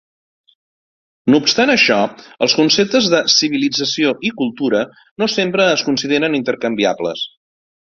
No obstant això, els conceptes de civilització i cultura no sempre es consideren intercanviables.